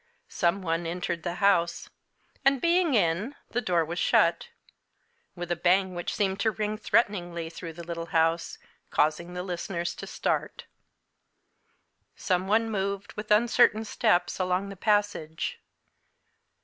Some one entered the house; and, being in, the door was shut with a bang which seemed to ring threateningly through the little house, causing the listeners to start. Some one moved, with uncertain steps, along the passage.